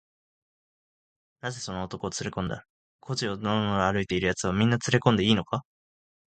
「なぜその男をつれこんだんだ？小路をのろのろ歩いているやつは、みんなつれこんでいいのか？」